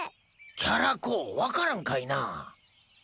キャラ公分かるんかいなあ？